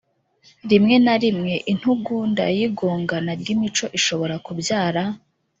Rimwe na rimwe intugunda y igongana ry imico ishobora kubyara